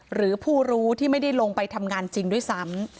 หรือผู้รู้ที่ไม่ได้ลงไปทำงานจริงด้วยซ้ำ